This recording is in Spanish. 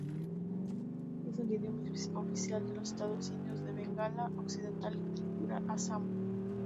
Es el idioma oficial de los estados indios de Bengala Occidental, Tripura y Assam.